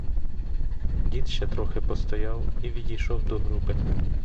Дід ще трохи постояв і відійшов до груби.